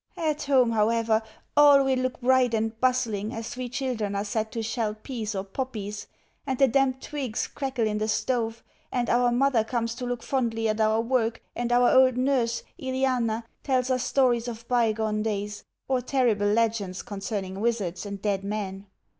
At home, however, all will look bright and bustling as we children are set to shell peas or poppies, and the damp twigs crackle in the stove, and our mother comes to look fondly at our work, and our old nurse, Iliana, tells us stories of bygone days, or terrible legends concerning wizards and dead men.